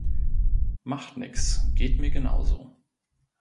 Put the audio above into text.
Macht nichts, geht mir genauso.